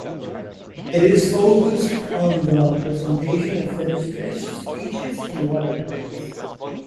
It is focused on the presentation of Finnish fish species and water bodies.